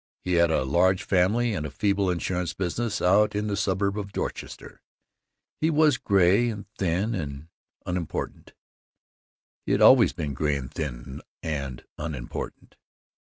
He had a large family and a feeble insurance business out in the suburb of Dorchester. He was gray and thin and unimportant. He had always been gray and thin and unimportant.